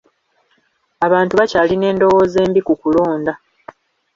Abantu bakyalina endowooza embi ku kulonda.